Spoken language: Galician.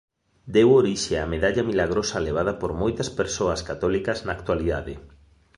Deu orixe á medalla milagrosa levada por moitas persoas católicas na actualidade.